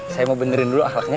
saya mau benerin dulu ahlaknya